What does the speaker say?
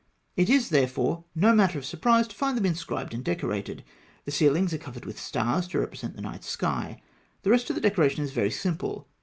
It is, therefore, no matter of surprise to find them inscribed and decorated. The ceilings are covered with stars, to represent the night sky. The rest of the decoration is very simple.